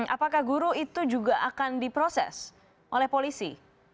apakah guru itu juga akan diproses oleh polisi